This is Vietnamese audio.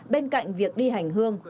bên cạnh việc đi hành hương